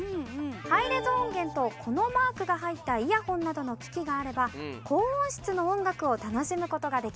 ハイレゾ音源とこのマークが入ったイヤホンなどの機器があれば高音質の音楽を楽しむ事ができます。